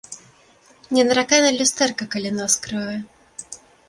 Не наракай на люстэрка, калі нос крывы